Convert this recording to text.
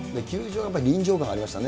やっぱり臨場感ありましたね。